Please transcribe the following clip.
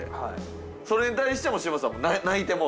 それに対しても嶋佐泣いてもうて。